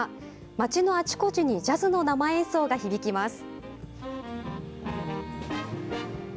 街のあちこちにジャズの生演奏が響きます。